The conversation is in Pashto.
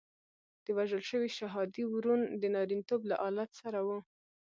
د وژل شوي شهادي ورون د نارینتوب له آلت سره وو.